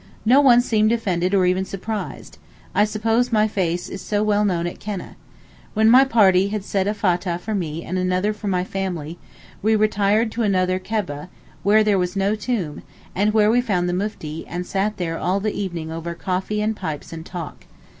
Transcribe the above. No one seemed offended or even surprised. I suppose my face is so well known at Keneh. When my party had said a Fattah for me and another for my family, we retired to another kubbeh, where there was no tomb, and where we found the Mufti, and sat there all the evening over coffee and pipes and talk.